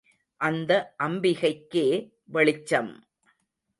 அந்த அம்பிகைக்கே வெளிச்சம்!